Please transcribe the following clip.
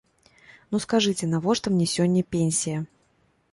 Ну, скажыце, навошта мне сёння пенсія?